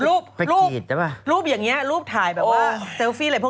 ลูปอย่างอย่างนี้รูปทายแบบว่า